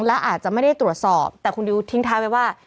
และอาจจะไม่ได้ตรวจสอบแต่คุณดิวทิ้งท้ายไว้ว่า